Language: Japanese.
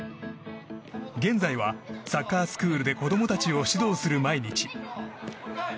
現在はサッカースクールで子供たちを指導する毎日。